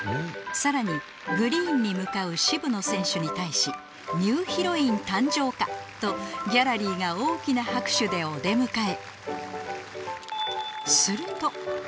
さらにグリーンに向かう渋野選手に対しニューヒロイン誕生か？とギャラリーが大きな拍手でお出迎え